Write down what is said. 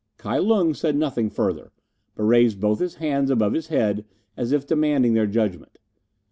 Kai Lung said nothing further, but raised both his hands above his head, as if demanding their judgment.